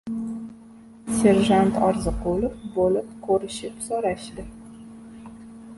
serjant Orziqulov bo‘lib ko‘rishib- so‘rashdi